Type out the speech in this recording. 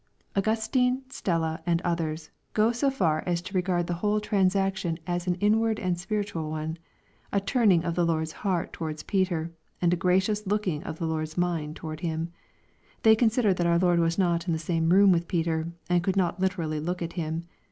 Augustine, Stella, and others, go so far as to regard the whole transaction as an inward and spiritual one, — a turning of the Lord's heart towards Peter, and a gracious looking of the Lord's mind towards him. They consider that our Lord was not in the same room with Peter, and could not literally look at him.